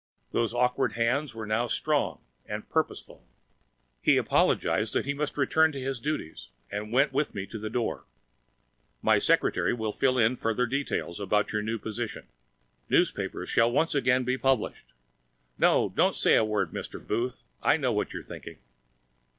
Those awkward hands are now strong and purposeful. He apologized that He must return to His duties, and went with me to the door. "My secretary will fill in further details about your new position. Newspapers shall once again be published. No don't say a word, Mr. Booth! I know what you are thinking.